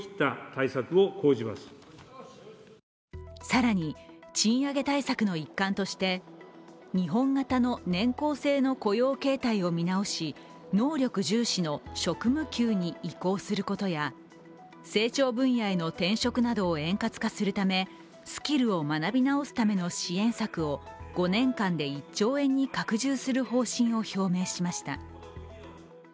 更に賃上げ対策の一環として、日本型の年功制の雇用形態を見直し能力重視の職務給に移行することや、成長分野への転職などを円滑化するため、スキルを学び直すための支援策を５年間で１兆円に拡充する方針を表明しました。